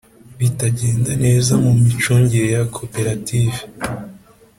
Bitagenda neza mu micungire ya koperative